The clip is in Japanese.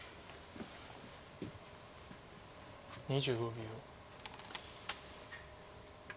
２５秒。